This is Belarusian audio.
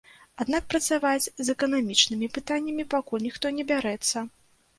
Аднак працаваць з эканамічнымі пытаннямі пакуль ніхто не бярэцца.